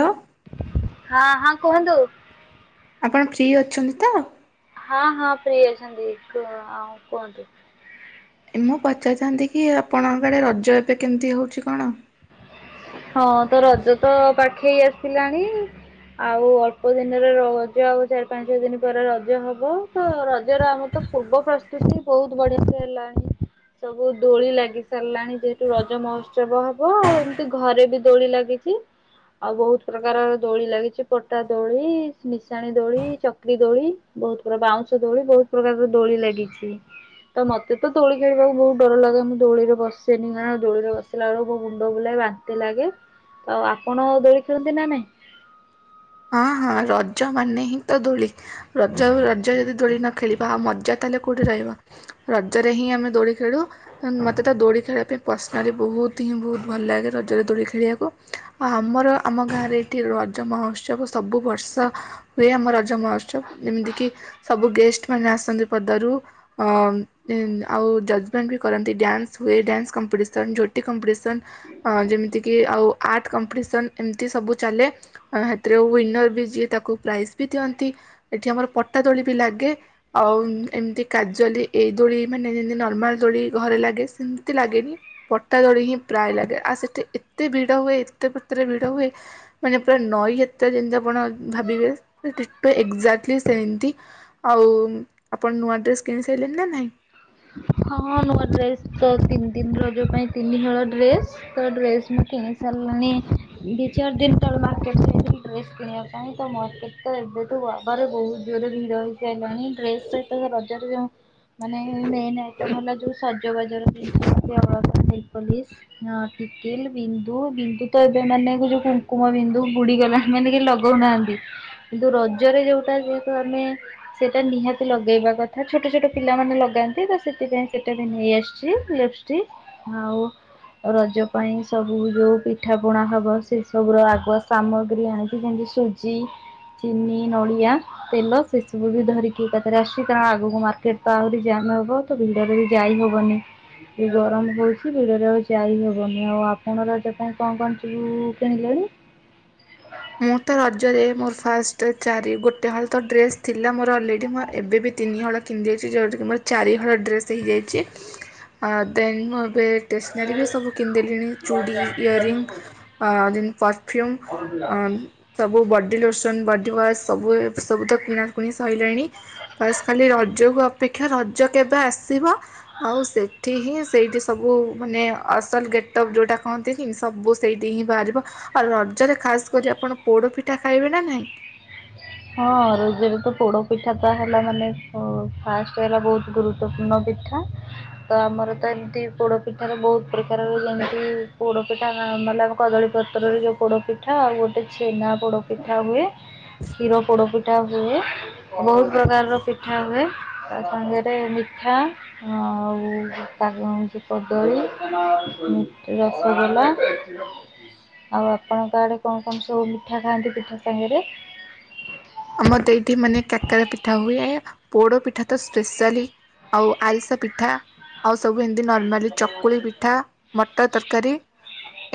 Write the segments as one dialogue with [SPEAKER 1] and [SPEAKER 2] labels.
[SPEAKER 1] Hello
[SPEAKER 2] ହଁ ହଁ କୁହନ୍ତୁ।
[SPEAKER 1] ଆପଣ ଫ୍ରି ଅଛନ୍ତି ତ?
[SPEAKER 2] ହଁ ହଁ ଫ୍ରି ଅଛନ୍ତି କୁହ ହଉ କୁହନ୍ତୁ।
[SPEAKER 1] ମୁଁ ପଚାରିଥାନ୍ତି କି ଆପଣଙ୍କ ଆଡ଼େ ରଜ ଏବେ କେମିତି ହେଉଛି କଣ?
[SPEAKER 2] ହଁ ତ ରଜ ତ ପାଖେଇ ଆସିଲାଣି ଆଉ ଅଳ୍ପ ଦିନରେ ରଜ ଆଉ ଚାରି ପାଞ୍ଚ ଛଅ ଦିନ ପରେ ରଜ ହବ ତ ରଜର ଆମର ତ ପୂର୍ବ ପ୍ରସ୍ତୁତି ବହୁତ ବଢିଆ ସେ ହେଲାଣି। ସବୁ ଦୋଳି ଲାଗି ସାରିଲାଣି ଯେହତୁ ରଜ ମହୋତ୍ସବ ହବ। ଆଉ ଏମତି ଘରେ ବି ଦୋଳି ଲାଗିଛି। ଆଉ ବହୁତ ପ୍ରକାରର ଦୋଳି ଲାଗିଛି ପଟା ଦୋଳି ନିଶାଣି ଦୋଳି ଚକ୍ରି ଦୋଳି। ବହୁତ ପ୍ରକାର ବାଉଁଶ ଦୋଳି ବହୁତ ପ୍ରକାର ଦୋଳି ଲାଗିଛି। ତ ମୋତେ ଦୋଳି ଖେଳିବାକୁ ବହୁତ ଡର ଲାଗେ ମୁଁ ଦୋଳିରେ ବସେନି କାଁଣ ଦୋଳିରେ ବସିଲା ବେଳକୁ ମୁୁଣ୍ଡ ବୁଲାଏ ବା ଲାଗେ ଆଉ ଆପଣ ଦୋଳି ଖେଳନ୍ତି ନା ନାଇଁ?
[SPEAKER 1] ହଁ ହଁ ରଜ ମାନେ ହିଁ ତ ଦୋଳି। ରଜ ରଜ ଯଦି ଦୋଳି ନ ଖେଳିବ ଆଉ ମଜା ତାହେଲେ କୋଉଠି ରହିବ। ରଜରେ ହିଁ ଆମେ ଦୋଳି ଖେଳୁ। ମୋତେ ତ ଦୋଳି ଖେଳିବା ପାଇଁ ପର୍ସନାଲି ବହୁତ ହିଁ ବହୁତ ଭଲ ଲାଗେ ରଜରେ ଦୋଳି ଖେଳିବାକୁ। ଆମର ଆମ ଗାଁରେ ଏଠି ରଜ ମହୋସ୍ ଉତ୍ସବ ସବୁ ବର୍ଷ ହୁଏ ଆମ ରଜମହୋତ୍ସବ ଯେମିତିକି ସବୁ ଗେଷ୍ଟ ମାନେ ଆସନ୍ତି ପଦାରୁ ଅ ଆଉ ଜଜମେଣ୍ଟ ବି କରନ୍ତି ଡ୍ୟାନ୍ସ ହୁଏ ଡ୍ୟାନ୍ସ କମ୍ପିଟିସନ୍, ଝୋଟି କମ୍ପିଟିସନ୍ ଯେମିତିକି ଆଉ ଆର୍ଟ କମ୍ପିଟିସନ୍ ଏମିତି ସବୁ ଚାଲେ ୱିନର ବି ଯିଏ ତାକୁ ପ୍ରାଇଜ୍ ବି ଦିଅନ୍ତି। ଏଠି ଆମର ପଟା ଦୋଳି ବି ଲାଗେ। ଆଉ ଇମ ଏମତି କାଜଲି ଏଇ ଦୋଳି ମାନେ ଯେମିତି ନର୍ମାଲ ଦୋଳି ଘରେ ଲାଗେ ସେମିତି ଲାଗେନି। ପଟା ଦୋଳି ହିଁ ପ୍ରାୟ ଲାଗେ ଆଉ ସେଠି ଏତେ ଭିଡ଼ ହୁଏ ଏତେ ମାତ୍ରାରେ ଭିଡ଼ ହୁଏ। ମାନେ ପୁରା ନଈ ଯାତ୍ରା ଯେମିତି ଆପଣ ଭାବିବେ ଡିଟୋ ଏକଯାଟଲି ସେମତି। ଆଉ ଆପଣ ନୂଆ ଡ୍ରେସ୍ କିଣି ସାଇଲେନ ନା ନାହିଁ?
[SPEAKER 2] ହଁ ହଁ ନୂଆ ଡ୍ରେସ୍ ତ ତିନି ଦିନ ରଜ ପାଇଁ ତିନିହଳ ଡ୍ରେସ୍। ତ ଡ୍ରେସ୍ ମୁଁ କିଣି ସାରଲିଣି। ଦି ଚାର୍ ଦିନ ତଳେ ମାର୍କେଟ ଯାଇଥିଲି ଡ୍ରେସ କିଣିବା ପାଇଁ ତ ମତେ ତ ଏବେଠୁ ୱା ବରେ ବହୁତ ଜୋରରେ ଭିଡ ହେଇସାଇଲାଣି ଡ୍ରେସ୍ ସହିତ ରଜରେ ଯୋଉଁ ମାନେ ନେଇନାଇଁ ନନା ଯୋଉ ସଜବାଜର ଜିନିଷ ସବୁ ନେଲ୍ ପୋଲିସ। ହଁ ଟିକିଲି, ବିନ୍ଦୁ, ବିନ୍ଦୁ ତ ଏବେ ମାନେକୁ ଯୋଉ କୁଙ୍କୁମ ବିନ୍ଦୁ ବୁଡିଗଲା। ମାନେ କିଏ ଲଗୋଉନାହାନ୍ତି। କିନ୍ତୁ ରଜରେ ଯୋଉଟା ଯେହେତୁ ଆମେ ସେଇଟା ନିହାତି ଲଗେଇବା କଥା। ଛୋଟ ଛୋଟ ପିଲାମାନେ ଲଗାନ୍ତି ତ ସେ ସେଥିପାଇଁ ସେଟା ବି ନେଇ ଆସଚି ଲିପଷ୍ଟିକ ଆଉ ରଜ ପାଇଁ ସବୁ ଯୋଉ ପିଠା ପଣା ହବ ସେ ସବୁ ର ଆଗୁଆ ସାମଗ୍ରୀ ଆଣିକି। ଯେମତି ସୁଜ ଜି, ଚିନି, ନଡ଼ିଆ ତେଲ ସେସବୁ ବି ଧରିକି ଏକଥାରେ ଆସଚି କାରଣ ଆଗକୁ ମାର୍କେଟ ତ ଆହୁରି ଜାମ ହବ। ତ ଭିଡ଼ରେ ବି ଯାଇ ହବନି। ଏ ଗରମ ହୋଉଚି ଭିଡ଼ରେ ଆଉ ଯାଇ ହେବନି। ଆଉ ଆପଣ ରଜ ପାଇଁ କଣ କଣ ସବୁ କିଣିଲେଣି?
[SPEAKER 1] ମୁଁ ତ ରଜରେ ମୋର ଫାଷ୍ଟ ଚାରି ଗୋଟେ ହଳ ତ ଡ୍ରେସ୍ ଥିଲା ମୋର ଅଲରେଡ଼ି। ମୋର ଏବେ ବି ତିନି ହଳ କିଣଦେଇଚି ଯୋଉତିକେ ମୋର ଚାରିହଳ ଡ୍ରେସ୍ ହେଇଯାଇଚି। ଆଉ ଦେନ୍ ମୁଁ ଏବେ ଟେସନାରୀ ବି ସବୁ କିନଦେଲିଣି ଚୁଡ଼ି, ଇୟରିଙ୍ଗ ଆ ଦେନ୍ ପରଫ୍ୟୁମ୍। ଅନ ସବୁ ବଡି ଲୋସନ, ବଡି ୱାସ, ସବୁ ଏତ ସବୁ ତ କିଣାକୁଣି ସଇଲାଣି। ବସ୍ ଖାଲି ରଜକୁ ଅପେକ୍ଷା ରଜ କେବେ ଆସିବ। ଆଉ ସେଠି ହିଁ ସେଇଠି ସବୁ ମାନେ ଅସଲ ଗେଟପ୍ ଯୋଉଟା କହନ୍ତି ଦେଖି ସବୁ ସେଇଠି ହିଁ ବାହାରିବ। ଆଉ ରଜରେ ଖାସ କରି ଆପଣ ପୋଡ ପିଠା ଖାଇବେ ନା ନାହିଁ?
[SPEAKER 2] ହଁ ରୋଜରେ ତ ପୋଡ ପିଠା ଟା ହେଲା ମାନେ ଓ ଫାଷ୍ଟ ହେଲା ବହୁତ ଗୁରୁ ତ୍ୱପୂର୍ଣ ପିଠା। ତ ଆମର ତ ଏମତି ପୋଡ ପିଠା ର ବହୁତ ପ୍ରକାରର ଯେମିତି ପୋଡ ପିଠା ନମାଲ। କଦଳୀ ପତ୍ରରେ ଯୋଉ ପୋଡପିଠା ଆଉ ଗୋଟେ ଛେନା ପୋଡ ପିଠା ହୁଏ। କ୍ଷୀର ପୋଡପିଠା ହୁଏ। ବହୁତ ପ୍ରକାରର ପିଠା ହୁଏ। ତା ସାଙ୍ଗରେ ମିଠା। ଆଉ ତାଙ୍ଗ ହୋଉଚି କଦଳୀ, ରସ ରସଗୋଲା। ଆଉ ଆପଣଙ୍କଆଡ଼େ କଣ କଣ ସବୁ ମିଠା ଖାଆନ୍ତି ପିଠା ସାଙ୍ଗେରେ?
[SPEAKER 1] ଆମର ତ ଏଠି ମାନେ କାକେରା ପିଠା ହୁଏ, ପୋଡ ପିଠା ତ ସ୍ପେସାଲି ଆଉ ଆରିସା ପି ପିଠା, ଆଉ ସବୁ ଏମିତି ନର୍ମାଲି ଚକୁଳି ପିଠା, ମଟର ତରକାରୀ।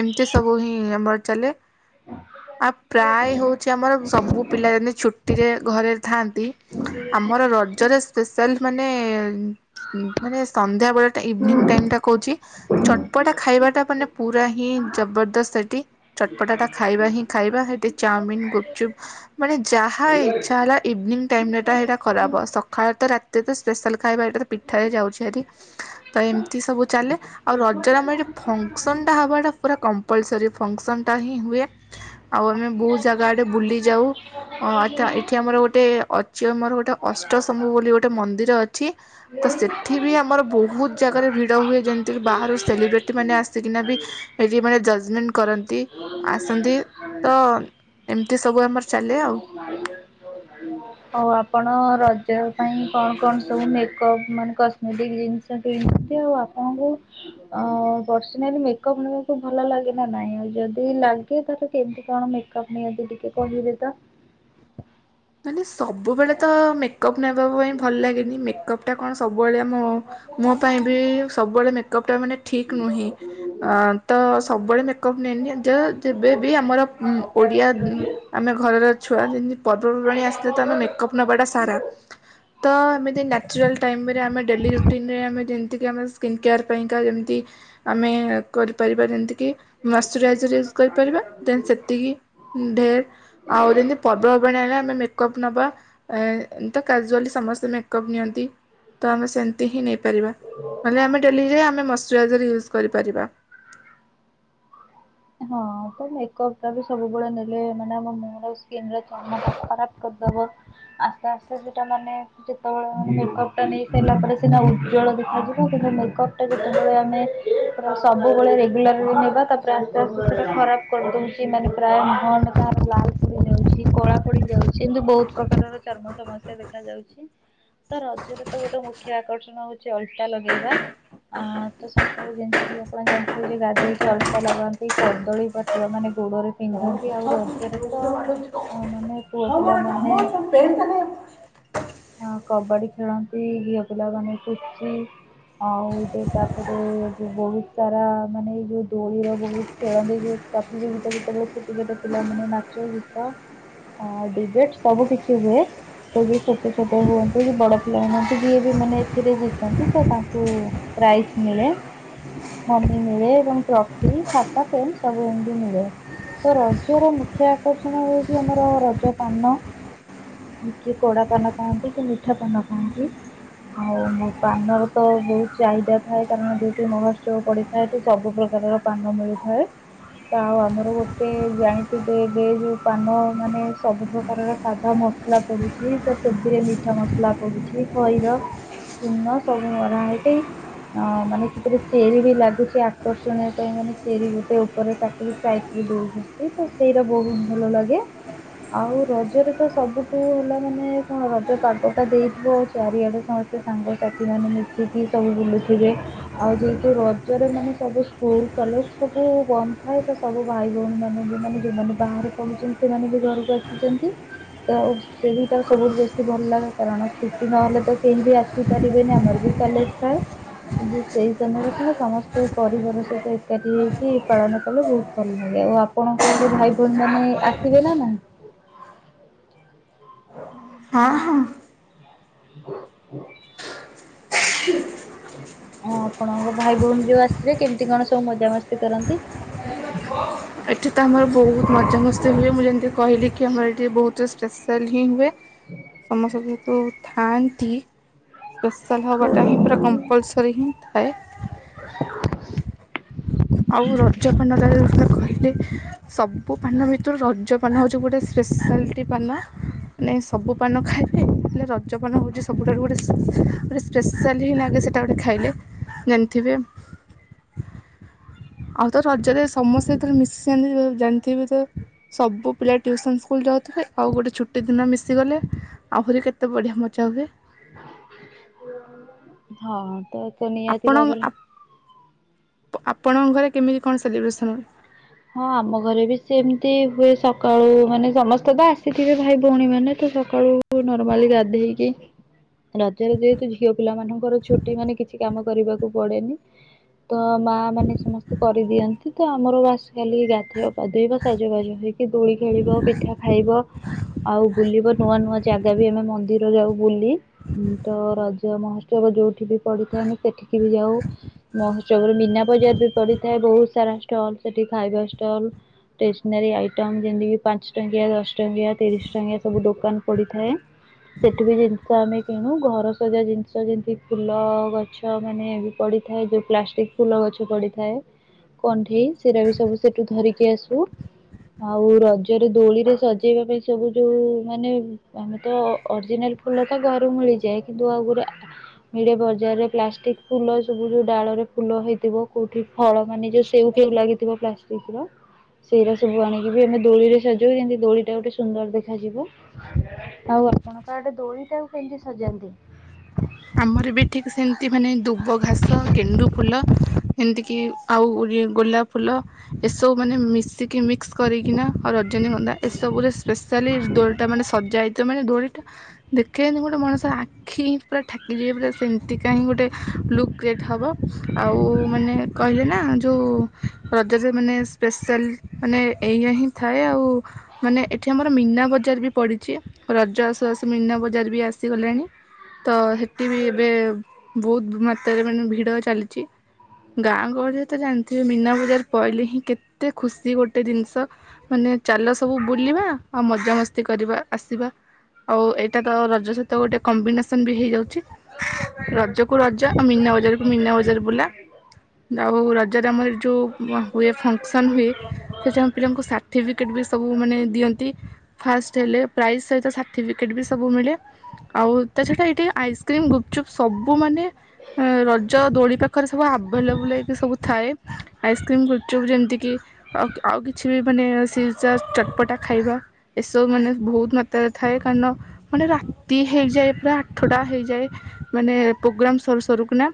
[SPEAKER 1] ଏମିତି ସବୁ ହିଁ ଆମର ଚାଲେ। ଆ ପ୍ରାୟେ ହୋଉଚି ଆମର ସବୁ ପିଲା ଆନି ହୁଟିରେ ଘରେ ଥାଆନ୍ତି। ଆମର ରଜରେ ସ୍ପେଶାଲ ମାନେ ମାନେ ସନ୍ଧ୍ୟାବେଳ ଟା ଇଭିନିଂ ଟାଇମ ଟା କଉଚି। ଚଟପଟା ଖାଇବାଟା ମାନେ ପୁରା ହିଁ ଜବରଦସ୍ତ ସେଠି। ଚଟପଟାଟା ଖାଇବା ହିଁ ଖାଇବା। ହେଟି ଚାଓମିନ ଗୁପଚୁପ ମାନେ ଯାହା ଇଚ୍ଛା ହେଲା ଇଭିନିଂ ଟାଇମ ଏଟା ହେଟା ଖରାପ। ସକାଳେ ତ ରାତିରେ ତ ସ୍ପେଶାଲ ଖାଇବା ଏଇଟା ତ ପିଠାରେ ଯାଉଛି ହେରି। ତ ଏମିତି ସବୁ ଚାଲେ। ଆଉ ରଜର ଆମ ଏଟି ଫଙ୍କସନଟା ହବାଟା ପୁରା କମ ଫନକ୍ସନ ହିଁ ହୁଏ ଆଉ ଆମେ ବହୁତ ଜାଗାଆଡ଼େ ବୁଲି ଯାଉ। ଅ ଏଠି ଆମର ଗୋଟେ ଅଛି ଆମର ଗୋଟେ ଅଷ୍ଟଶମ୍ଭୁ ବୋଲି ଗୋଟେ ମନ୍ଦିର ଅଛି। ତ ସେଠି ବି ଆମର ବହୁତ ଜାଗାରେ ଭିଡ଼ ହୁଏ ଯେମିତିକି ବାହାରୁ ସେଲିବ୍ରିଟି ମାନେ ଆସିକିନା ବି ସେଠି ମାନେ ଜର୍ଜମେଣ୍ଟ କରନ୍ତି ଆସନ୍ତି ତ ଏମିତି ସବୁ ଆମର ଚାଲେ ଆଉ।
[SPEAKER 2] [inaudible] ଆଉ ଆପଣ ରଜ ପାଇଁ କଣ କଣ ସବୁ ମେକପ୍ ମାନେ କସ୍ମେଟିକ୍ ଜିନିଷ ଏମତି ଆଉ ଆପଣଙ୍କୁ [inaudible] ଅ ପର୍ସନାଲି ମେକପ୍ ନବାକୁ ଭଲଲାଗେ ନା ନାଇଁ। ଯଦି ଲାଗେ ତାର କେମିତି କଣ ମେ [inaudible] ଟିକେ କହିବେ ତ।
[SPEAKER 1] ମାନେ ସବୁବେଳେ ତ ମେକଅପ୍ ନେବା ପାଇଁ ଭଲ ଲାଗେନି ମେକଅପଟା କଣ ସବୁବେଳେ ଆମ ମୋ ପାଇଁ ବି ସବୁବେଳେ ମେକଅପ୍ ଟା ମାନେ ଠିକ୍ ନୁହେଁ ଆଁ ତ ସବୁବେଳେ ମେକଅପ୍ ନେଇନି ଯ ଯେବେବି ଆମର ଓଡ଼ିଆ ଆମେ ଘରର ଛୁଆ ଯେମିତି ପର୍ବପର୍ବାଣୀ ଆସିଲେତ ଆମେ ମେକଅପ୍ ନେବାଟା ସାରା ତ ଏମିତି ନ୍ୟାଚୁରାଲ ଟାଇମରେ ଆମେ ଡେଲି ରୁଟିନରେ ଆମେ ଯେମିତିକି ଆମେ ସ୍କିନକେୟାର୍ ପାଇଁକା ଯେମିତି ଆମେ କରିପାରିବା ଯେମିତିକି ମଶ୍ଚରାଇଜର ୟୁଜ କରିପାରିବା ଦେନ ସେତିକି ଢେର ଆଉ ରହିଲା ପର୍ବ ଆମେ ମେକଅପ୍ ନବା ଏ ତ କାଜୁଆଲି ସମସ୍ତେ ମେକଅପ୍ ନିଅନ୍ତି। ତ ଆମେ ସେମିତି ହିଁ ନେଇପାରିବା ନହଲେ ଆମେ ଡେଲିରେ ଆମେ ମଶ୍ଚରାଇଜର ୟୁଜ କରିପାରିବା।
[SPEAKER 2] ହଁ ତ ମେକପଟା ବି ସବୁବେଳେ ନେଲେ ମାନେ ଆମ ମୁହଁର ସ୍କିନର ଖରାପ୍ କରିଦବ ଆସ୍ତେ ଆସ୍ତେ ସେଟା ମାନେ ଯେତେବେଳେ ମେକଅପଟା ନେଇସାରିଲା ପରେ ସିନା ଉଜ୍ଜଳ ଦେଖାଯିବ କିନ୍ତୁ ମେକପ ଯେତେବେଳେ ଆମେ ସବୁବେଳେ ରେଗୁଲାର ବି ନେବା ତାପରେ ଖରାପ କରିଦଉଛି ମାନେ ପ୍ରାୟ ମନ [inaudible] କଳା ପଡ଼ି ଯାଉଛି କିନ୍ତୁ ବହୁତ ପ୍ରକାରର ଚର୍ମ ସମସ୍ୟା ଦେଖାଯାଉ। ସାର୍ ଆଜିର ତ ଗୋଟେ ମୁଖ୍ୟ ଆକର୍ଷଣ ହଉଛି ଅଲତା ଲଗେଇବା। ଆ ତ ସକାଳୁ ଯେମିତି କିି ଆପଣ ଜାଣିଥିବେ ଯେ ଗାଧେଇକି ଅଲତା ଲଗା ସେଇ କଦଳୀପତ୍ର ମାନେ ଗୋଡ଼ରେ
[SPEAKER 1] କଣ
[SPEAKER 2] ପିନ୍ଧନ୍ତି
[SPEAKER 1] କଥା
[SPEAKER 2] ଆଉ ରଜରେ ତ ହଁ ମାନେ ପୁଅ ପିଲାମାନେ
[SPEAKER 1] ପେନ ତାନ [inaudible]
[SPEAKER 2] ହଁ କବାଡ଼ି ଖେଳନ୍ତି ଝିଅ ପିଲାମାନେ ପୁଚି। ଆଉ ତ ତାପରେ ବହୁତ ଉଚାର ମାନେ ଏଇ ଯେଉଁ ଦୋଳିର ବହୁତ ଖେଳନ୍ତି ଯୋ ପ୍ରତିଯୋଗିତା ଯେତେବେଳେ ଛୋଟଛୋଟ ପିଲାମାନେ ନାଚ, ଗୀତ ହଁ ଡିବେଟ୍ ସବୁ କିଛି ହୁଏ। ଛୋଟଛୋଟ ହୁଅନ୍ତୁ କି ବଡ଼ ପିଲା ହୁଅନ୍ତି ଯିଏବି ମାନେ ଏଥିରେ ଜିତନ୍ତି ତ ତାଙ୍କୁ ପ୍ରାଇଜ୍ ମିଳେ ମନି ମିଳେ ଏବଂ ଟ୍ରଫି ଖାତା ସବୁ ଏମିତି ମିଳେ। ତ ରଜର ମୁଖ୍ୟ ଆକର୍ଷଣ ହଉଛି ଆମର ରଜ ପାନ। କିଏ କଡ଼ା ପାନ ଖାଆନ୍ତି କିଏ ମିଠା ପାନ ଖାଆନ୍ତି। ଆଉ ମୋ ପାନର ତ ବହୁତ ଚାହିଦା ଥାଏ କାରଣ ଯଉଠି ମହୋତ୍ସବ ପଡ଼େ ସେଠି ସବୁ ପ୍ରକାରର ପାନ ମିଳିଥାଏ।
[SPEAKER 1] [inaudible]
[SPEAKER 2] ଯାହା ହେଉ ଆମର ଗୋଟେ ଜାଣିଥିବେ ଏବେ ଯଉ ପାନ ମାନେ ସବୁ ସାଧା ମସଲା ପଡୁଛି ତ ସେଥିରେ ମିଠା ମସଲା ପଡୁଛି ଖଇର। ଚୁନ ସବୁ ବର ହେ ଟ [inaudible] ହଁ ମାନେ ସେଥିରେ ଚେରି ବି ଲାଗୁଚି ଆକର୍ଷଣୀୟ ପାଇଁ ମାନେ ଚେରି ଗୋଟ ସେ ଉପରେ କାଟି ଷ୍ଟ୍ରାଇକ ଦଉଚନ୍ତି ତ ସେଇରା ବହୁତ ଭଲ ଲାଗେ। ଆଉ ରଜରେ ତ ସବୁଠୁ ହେଲା ମାନେ କଣ ରଜ ପାଗଟା ଦେଇଥିବ ଆଉ ଚାରିଆଡ଼େ ସମ ସ୍ତେ ସାଙ୍ଗ ସାଥି ମାନେ ମିଶିକି ସବୁ ବୁଲୁଥୁବେ। ଆଉ ଯେହେତୁ ରଜରେ ମାନେ ସବୁ ସ୍କୁଲ କଲେଜ ସବ ବୁ ବନ୍ଦ ଥାଏ ତ ସବୁ ଭାଇ ଭଉଣୀ ମାନେ ବି ମାନେ ଯୋଉମାନେ ବାହାରେ ପଢୁଚନ୍ତି ସେମାନେ ବି ଘରକୁ ଆସିଚନ୍ତି। ତ ସେହିଟାର ସବୁଠୁ ବେଶୀ ଭଲ ଲାଗେ କାରଣ ଛୁଟି ନହେଲେ ତ କେହି ବି ଆସିପାରିବେନି ଆମର ବି କଲେଜ ଥାଏ କିନ୍ତୁ ସେହି ସମୟରେ କଣ ସମସ୍ତେ ପରିବାର ସହିତ ଏକାଠି ହେଇ କି ପାଳନ କଲେ ବହୁତ ଭଲ ଲାଗେ ଆଉ ଆପଣଙ୍କ ଆଡ଼େ ଭାଇ ଭଉଣୀ ମାନେ ଆସିବେ ନା ନାଇଁ?
[SPEAKER 1] ହଁ ହଁ।
[SPEAKER 2] ହଁ ଆ ଆପଣଙ୍କ ଭାଇ ଭଉଣୀ ଯୋଉ ଆସିବେ କେମତି କଣ ସବୁ ମଜା ମସ୍ତି କରନ୍ତି?
[SPEAKER 1] ଏଠି ତ ଆମର ବହୁତ ମଜାମସ୍ତି ହୁଏ ମୁଁ ଯେନ୍ତି କହିଲି କି ଆମର ଏଠି ବହୁତୁ ସ୍ପେଶାଲ ହିଁ ହୁଏ। ସମସ୍ତେ ଯେହେତୁ ଥାଆନ୍ତି ସ୍ପେଶାଲ୍ ହବାଟା ହିଁ ପୁରା କମ୍ପଲସରି ହିଁ ଥାଏ। ଆଉ ରଜ ପାନଟା ଯୋଉ ସୁଧା କହିଲି ସବୁ ପାନ ଭିତୁରୁ ରଜପାନ ହଉଚି ଗୋଟେ ସ୍ପେଶାଲିଟି ପାନ। ନାଇଁ ସବୁ ପାନ ଖାଇବେ ହେଲେ ରଜପାନ ହଉଚି ସବୁଠାରୁ ଗୋଟେ ଗୋଟେ ସ ସ୍ପେଶାଲି ହି ଲାଗେ ସେଟା ଗୋଟେ ଖାଇଲେ ଜାଣଥିବେ? ଆଉ ତ ରଜରେ ସମସ୍ତେ ଯେତବଳେ ମିଶି ଯାଆନ୍ତି ଆଉ ଜାଣଥିବେ ତ ସବୁ ପିଲା ଟିଉସନ ସ୍କୁଲ ଯାଉଥୁବେ ଆଉ ଗୋଟେ ଛୁଟି ଦିନ ମିଶିଗଲେ ଆହୁରି କେତେ ବଢ଼ିଆ ମଜା ହୁଏ।
[SPEAKER 2] ହଁ ତ ତ ନିହାତି
[SPEAKER 1] ଆପଣ
[SPEAKER 2] ଭାବରେ
[SPEAKER 1] ଆପଣଙ୍କ ଘରେ କେମିତି କଣ ସେଲିବ୍ରେସନ୍ ହୁଏ?
[SPEAKER 2] ହଁ ଆମ ଘରେ ବି ସେମତି ହୁଏ ସକାଳୁ ମାନେ ସମସ୍ତେ ତ ଆସିଥିବେ ଭାଇ ଭଉଣୀ ମାନେ ତ ସକାଳୁ କୁ ନର୍ମାଲି ଗାଧେଇକି ରଜରେ ଯେହେତୁ ଝିଅ ପିଲା ମାନଙ୍କର ଛୁଟି ମାନେ କିଛି କାମ କରିବାକୁ ପଡ଼େନି ତ ମା ମାନେ ସମସ୍ତେ କରିଦିଅନ୍ତି ତ ଆମର ବାସ୍ ଖାଲି ଗାଧେଇବ ପାଧେଇବ ସଜବାଜ ହେଇକି ଦୋଳି ଖେଳିବ ପିଠା ଖାଇବ ଆଉ ବୁଲିବ ନୂଆ ନୂଆ ଜାଗା ବି ଆମେ ମନ୍ଦିର ଯାଉ ବୁଲି। ତ ରଜ ମହୋତ୍ସବ ଯୋଉଠି ବି ପଡ଼ିଥାଏ ଆମେ ସେଠିକି ବି ଯାଉ। ମହୋତ୍ସବରେ ମିନା ବଜାର ବି ପଡ଼ିଥାଏ ବହୁତ ସାରା ଷ୍ଟଲ ସେଠି ଖାଇବା ଷ୍ଟଲ ଟେସନାରୀ ଆଇଟମ୍ ଯେମତିି କି ପାଁଶ ଟଙ୍କିଆ, ଦଶ ଟଙ୍କିଆ, ତିରିଶ ଟଙ୍କିଆ ସବୁ ଦୋକାନ ପଡ଼ିଥାଏ। ସେଠୁ ବି ଜିନଷ ଆମେ କିଣୁ ଘର ସଜା ଜିନଷ ଯେନ୍ତି ଫୁଲ ଅ ଅ ଗଛ ଗଛ ମାନେ ବି ପଡ଼ିଥାଏ ଯୋଉ ପ୍ଲାଷ୍ଟିକ ଫୁଲ ଗଛ ପଡ଼ିଥାଏ କଣ୍ଢେଇ ସେରା ବି ସବୁ ସେଠୁ ଧରିକି ଆସୁ। ଆଉ ରଜରେ ଦୋଳିରେ ସଜେଇବା ପାଇଁ ସବୁ ଯୋଉ ମାନେ ଆମେ ତ ଅ ଅରଜିନାଲ ଫୁଲ ତ ଘରୁ ମିଳିଯାଏ କିନ୍ତୁ ଆଉ ଗୁରେ ମିଳେ ବଜାରରେ ପ୍ଲାଷ୍ଟିକ ଫୁଲ ସବୁ ଯୋଉ ଡ଼ାଳରେ ଫୁଲ ହେଇଥିବ କୋଉଠି ଫଳ ମାନେ ଯୋଉ ସେଉ ଫେଉ ଲାଗିଥିବ ପ୍ଲାଷ୍ଟିକର ସେଇରା ସବୁ ଆଣିକି ବି ଆମେ ଦୋଳିରେ ସଜଉ ଯିନ୍ତି ଦୋଳି ଟା ଗୋଟେ ସୁନ୍ଦର ଦେଖାଯିବ। ଆଉ ଆପଣଙ୍କ ଆଡ଼େ ଦୋଳିଟାକୁ କେମତି ସଜାନ୍ତି?
[SPEAKER 1] ଆମର ବି ଠିକ ସେମତି ମାନେ ଦୁବ ଘାସ ଗେଣ୍ଡୁ ଫୁଲ ଏମତିକିି ଆଉ ଉରଲ ଗୋଲାପ ଫୁଲ ଏସବୁ ମାନେ ମିଶିକି ମିକ୍ସ କରିକିନା ଆଉ ରଜନୀଗନ୍ଧା ଏସବୁରେ ସ୍ପେସ ଚାଲି ଦୋଳିଟା ମାନେ ସଜା ହେଇଥିବ ମାନେ ଦୋଳିଟା ଦେଖେଇନି ଗୋଟେ ମଣିଷ ଆଖି ପୁରା ଠାକିଯିବେ ପୁରା ସେମିତି କାହିଁ ଗୋଟେ ଲୁକ୍ କ୍ରିଏଟ୍ ହେବ ଆଉ ମାନେ କହିଲେ ନା ଯୋଉ ରଜରେ ମାନେ ସ୍ପେଶାଲ ମାନେ ଏଇଆ ହିଁ ଥାଏ ଆଉ ମାନେ ଏଠି ଆମର ମୀନା ବଜାର ବି ପଡ଼ିଛି ରଜ ଆସୁ ଆସୁ ମୀନା ବଜାର ବି ଆସିଗଲାଣି। ତ ହେଠି ବି ଏବେ ବହୁତ ମାତ୍ରାରେ ମାନେ ଭିଡ ଚାଲିଛି। ଗାଁ ଗହଳିରେ ତ ଜାଣିଥିବେ ମୀନା ବଜାର ପଇଲେ ହିଁ କେତେ ଖୁସି ଗୋଟେ ଜିନିଷ। ମାନେ ଚାଲ ସବୁ ବୁଲିବା ଆଉ ମଜାମସ୍ତି କରିବା ଆସିବା। ଆଉ ଏଇଟା ତ ରଜ ସହିତ ଗୋଟେ କମ୍ବିନେସ ସେନି ବି ହେଇଯାଉଛି ରଜ କୁ ରଜ ଆଉ ମିନା ବଜାର ମିନା ବଜାର ବୁଲା ଆଉ ର ଯଦି ଆମର ଯଉ ହୁଏ ଫଙ୍କସନ୍ ହୁଏ ସେଠି ଆମ ପିଲାଙ୍କୁ ସାର୍ଟିଫିକେଟ୍ ବି ସବୁ ମାନେ ଦିଅନ୍ତି। ଫାଷ୍ଟ ହେଲେ ପ୍ରାଇଜ୍ ସହିତ ସାର୍ଟିଫିକେଟ୍ ବି ସବୁ ମିଳେ ଆଉ ତାଛଡ଼ା ଏଇଠି ଆଇସ୍କ୍ରିମ୍, ଗୁପଚୁପ୍ ସବୁ ମାନେ ରଜ ଦୋଳି ପାଖରେ ସବୁ ଆଭେଲେବୁଲ ହେଇକି ସବୁ ଥାଏ। ଆଇସ୍କ୍ରିମ, ଗୁପଚୁପ ଯେମିତି କିି ଆଉ ଆଉ କିଛି ବି ମାନେ ସିଛ ଚଟପଟା ଖାଇବା ଏସବୁ ମାନେ ବହୁତ ମାତ୍ରାରେ ଥାଏ କାରଣ ମାନେ ରାତି ହେଇଯାଏ। ପୁରା ଆଠଟା ହେଇଯାଏ ମାନେ ପ୍ରୋଗ୍ରାମ୍ ସରୁ ସରୁ କୁନା।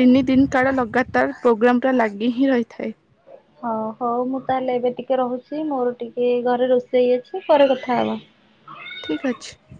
[SPEAKER 1] ତିନି ଦିନ କାଳ ଲଗାତାର ପ୍ରୋଗ୍ରାମଟା ଲାଗି ହିଁ ରହିଥାଏ।
[SPEAKER 2] ହଉ ହଉ ମୁଁ ତାହେଲେ ଏବେ ଟିକେ ରହୁଛି ମୋର ଟିକେ ଘରେ ରୋଷେଇ ଅଛି ପରେ କଥା ହବା।
[SPEAKER 1] ଠିକ୍ ଅଛି।